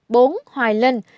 bốn hoài linh